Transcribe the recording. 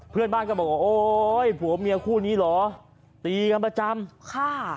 เพื่อนบ้านก็บอกว่าโอ๊ยผัวเมียคู่นี้เหรอตีกันประจำค่ะ